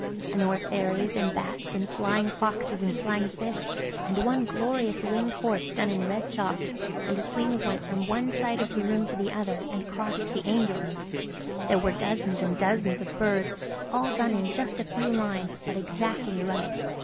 And there were fairies, and bats, and flying foxes, and flying fish. And one glorious winged horse done in red chalk–and his wings went from one side of the room to the other, and crossed the angel's. There were dozens and dozens of birds–all done in just a few lines–but exactly right.